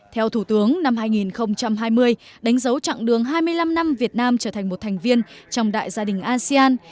theo thủ tướng năm hai nghìn hai mươi đánh dấu chặng đường hai mươi năm năm việt nam trở thành một thành viên trong đại gia đình asean